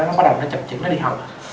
nó bắt đầu nó chậm chậm nó đi học